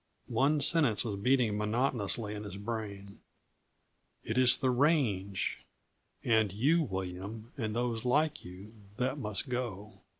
One sentence was beating monotonously in his brain: "It is the range and you, William, and those like you that must go."